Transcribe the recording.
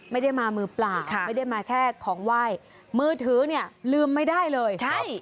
ไม่ได้มามือเปล่าไม่ได้มาแค่ของไหว้มือถือเนี่ยลืมไม่ได้เลยใช่